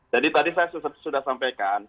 jadi tadi saya sudah sampaikan